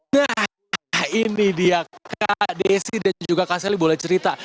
nah ini dia kak desi dan juga kak selly boleh cerita